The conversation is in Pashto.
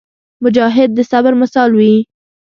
مجاهد د صبر مثال وي.